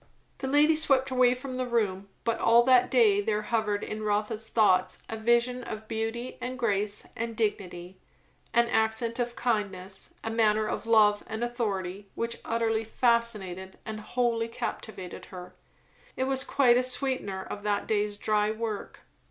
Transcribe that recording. The lady swept away from the room; but all that day there hovered in Rotha's thoughts a vision of beauty and grace and dignity, an accent of kindness, a manner of love and authority, which utterly fascinated and wholly captivated her. It was quite a sweetener of that day's dry work.